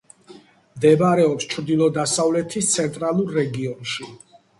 მდებარეობს ჩრდილო-დასავლეთის ცენტრალურ რეგიონში.